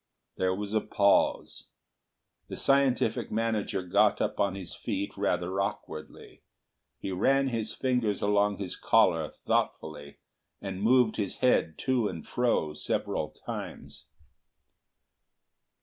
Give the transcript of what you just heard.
There was a pause. The scientific manager got up on his feet rather awkwardly. He ran his fingers along his collar thoughtfully, and moved his head to and fro several times.